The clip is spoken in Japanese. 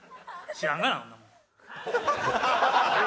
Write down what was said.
「知らんがな」。